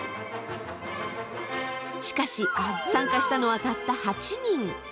しかし参加したのはたった８人。